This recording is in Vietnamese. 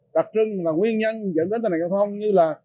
đặc trưng và nguyên nhân dẫn đến tài năng giao thông như là